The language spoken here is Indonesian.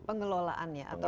pengelolaannya atau dari itu